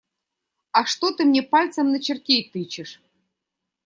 А что ты мне пальцем на чертей тычешь?